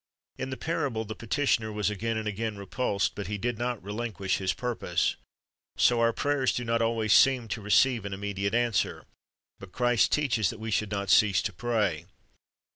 In the parable the petitioner was again and again repulsed, but he did not relinquish his purpose. So our prayers do not always seem to receive an immediate answer; but Christ teaches that we should not cease to pray.